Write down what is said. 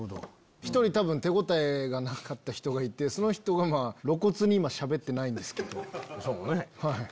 １人多分手応えがなかった人がいてその人が露骨に今しゃべってないんですけど。